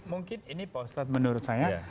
mungkin ini pak ustadz menurut saya